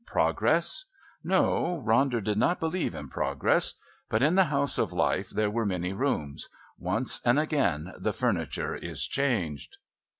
Progress? No, Ronder did not believe in Progress. But in the House of Life there are many rooms; once and again the furniture is changed.